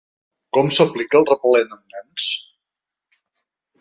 Com s’aplica el repel·lent en nens?